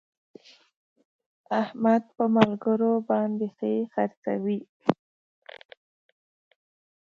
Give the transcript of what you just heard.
احمد په ملګرو باندې ښې خرڅې کوي.